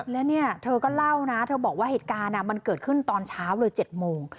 แล้วเนี่ยเธอก็เล่านะเธอบอกว่าเหตุการณ์มันเกิดขึ้นตอนเช้าเลย๗โมง